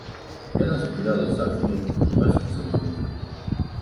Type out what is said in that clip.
Яна затуляла з захаду ад партугальскіх заваёўнікаў.